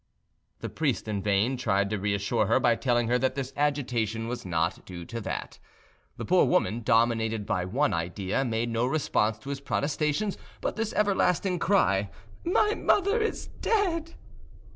The priest in vain tried to reassure her by telling her that his agitation was not due to that. The poor woman, dominated by one idea, made no response to his protestations but this everlasting cry, "My mother is dead!"